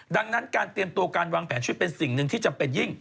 ดังนั้นการเตรียมตัวการวางแผนชีวิตเป็นสิ่งหนึ่งที่จำเป็นยิ่ง